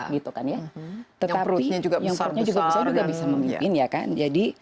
tetapi yang perutnya juga besar juga bisa memimpin